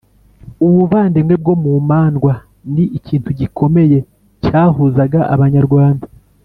ubuvandimwe bwo mu mandwa ni ikintu gikomeye cyahuzaga abanyarwanda.